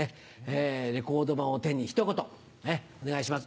レコード盤を手にひと言お願いします。